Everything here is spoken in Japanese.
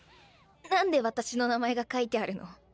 なんで私の名前が書いてあるの？